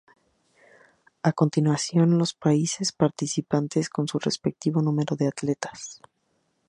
A continuación, los países participantes con su respectivo número de atletas.